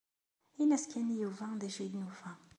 Ini-as kan i Yuba d acu i d-nufa.